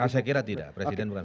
saya kira tidak presiden bukan